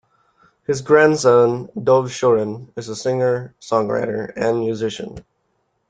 His grandson Dov Shurin is a singer-songwriter and musician.